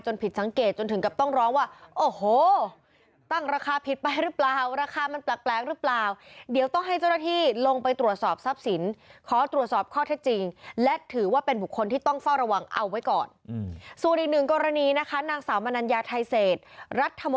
จนผิดสังเกตจนถึงกับต้องร้องว่าโอ้โหตั้งราคาผิดไปหรือเปล่า